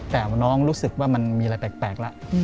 แต่น้องรู้สึกว่ามันมีอะไรแปลกแล้ว